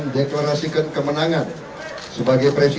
dan ke satu yang telah kami